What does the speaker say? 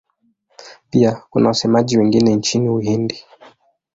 Pia kuna wasemaji wengine nchini Uhindi.